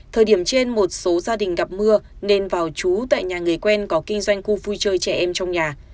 thời điểm trên một số gia đình gặp mưa nên vào trú tại nhà người quen có kinh doanh khu vui chơi trẻ em trong nhà